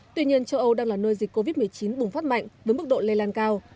tuy nhiên châu âu đang là nơi dịch covid một mươi chín bùng phát mạnh với mức độ lây lan cao